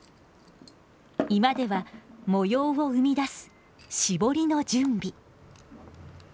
居間では模様を生み出す絞りの準備。